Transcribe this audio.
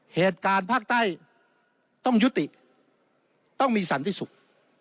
เหตุการณ์ภาคใต้ต้องยุติต้องมีสันติสุข